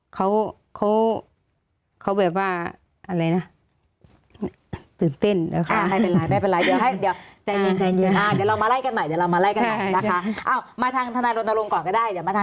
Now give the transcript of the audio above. เขาเขาแบบว่าอะไรนะ